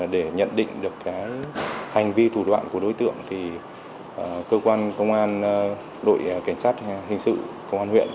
để nhận định được hành vi thủ đoạn của đối tượng thì cơ quan công an đội cảnh sát hình sự công an huyện